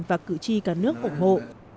và cử tri cả nước ủng hộ